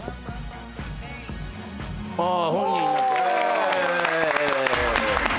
ああ本人になった。